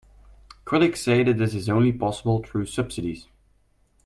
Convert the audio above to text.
Critics say that this is only possible through subsidies.